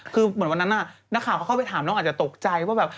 คือเหมือนวันนั้นนักข่าวเขาเข้าไปถามน้องอาจจะตกใจว่าแบบ